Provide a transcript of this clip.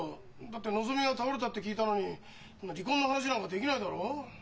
だってのぞみが倒れたって聞いたのに離婚の話なんかできないだろ？